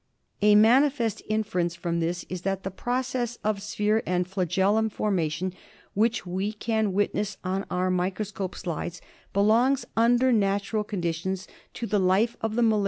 A manifest inference from this is that the process of sphere and flagellum formation which we can witness on our microscope slides belongs, under natural conditions, to the life of the mala